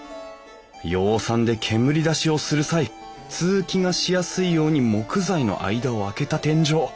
養蚕で煙出しをする際通気がしやすいように木材の間をあけた天井。